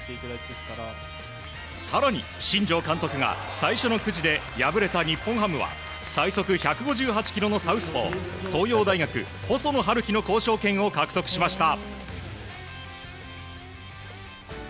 更に、新庄監督が最初のくじで敗れた日本ハムは最速１５８キロのサウスポー東洋大学、細野晴希の交渉権を獲得しました。